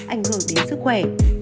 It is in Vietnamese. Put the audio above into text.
ảnh hưởng đến sức khỏe